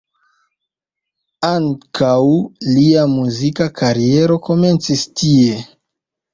Ankaŭ lia muzika kariero komencis tie.